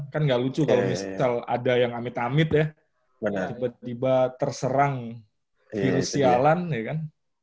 kan gak lucu kalau misal ada yang amit amit ya tiba tiba terserang virus sialan ya kan